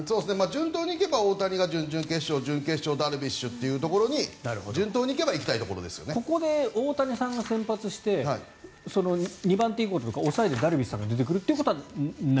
順当にいけば大谷が準々決勝で準決勝がダルビッシュというところに順当にいけばここで大谷さんが先発して２番手以降というか抑えでダルビッシュさんが出てくることはない？